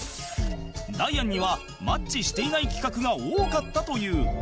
ダイアンにはマッチしていない企画が多かったという